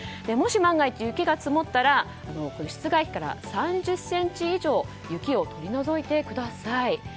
もし万が一、雪が積もったら室外機から３０ｃｍ以上雪を取り除いてください。